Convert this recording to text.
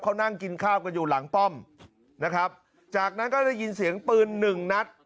เขานั่งกินข้าวกันอยู่หลังป้อมนะครับจากนั้นก็ได้ยินเสียงปืนหนึ่งนัด